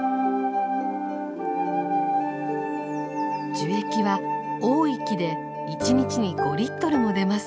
樹液は多い木で１日に５も出ます。